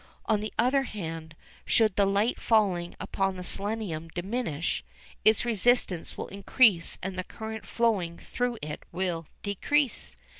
On the other hand, should the light falling upon the selenium diminish, its resistance will increase and the current flowing through it will decrease.